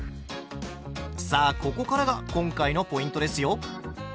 さあここからが今回のポイントですよ。